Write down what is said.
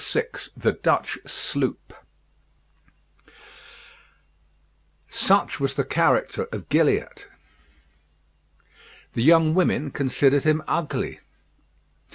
VI THE DUTCH SLOOP Such was the character of Gilliatt. The young women considered him ugly.